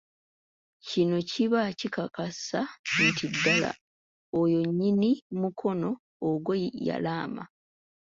Kino kiba kikakasa nti ddala oyo nnyini mukono ogwo y'alaama.